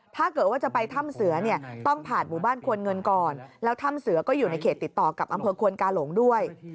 ถ้าเกิดว่าจะไปถ้ำเสือเนี่ยต้องผ่านหมู่บ้านควรเงินก่อนแล้วถ้ำเสือก็อยู่ในเขตติดต่อกับอำเภอควนกาหลงด้วย